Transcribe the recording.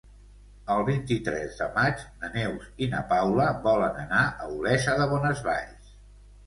El vint-i-tres de maig na Neus i na Paula volen anar a Olesa de Bonesvalls.